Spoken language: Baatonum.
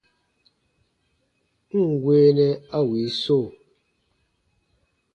N ǹ weenɛ a wii so !